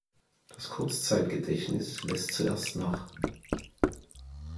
Das Kurzzeitgedächtnis lässt zuerst nach.